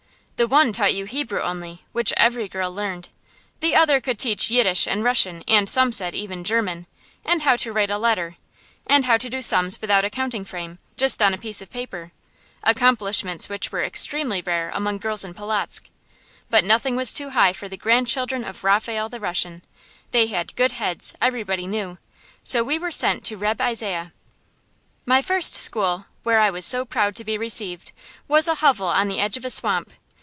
The one taught you Hebrew only, which every girl learned; the other could teach Yiddish and Russian and, some said, even German; and how to write a letter, and how to do sums without a counting frame, just on a piece of paper; accomplishments which were extremely rare among girls in Polotzk. But nothing was too high for the grandchildren of Raphael the Russian; they had "good heads," everybody knew. So we were sent to Reb' Isaiah. My first school, where I was so proud to be received, was a hovel on the edge of a swamp.